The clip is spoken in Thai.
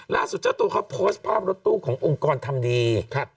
ล่าสุดเจ้าตัวเขาโพสต์ภาพรถตู้ขององค์กรธรรมดี